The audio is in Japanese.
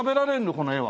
この絵は。